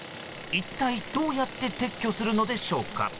一体どうやって撤去するのでしょうか。